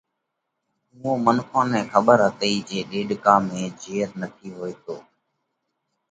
اُوئا منک نئہ کٻر هتئِي جي ڏيڏڪا ۾ جھير نٿِي هوئيتو